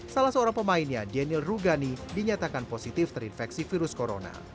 salah seorang pemainnya daniel rugani dinyatakan positif terinfeksi virus corona